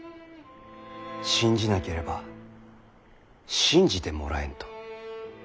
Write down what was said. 信じなければ信じてもらえんと。